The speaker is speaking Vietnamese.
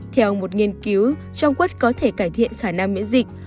theo một nghiên cứu trong quất có thể cải thiện khả năng miễn dịch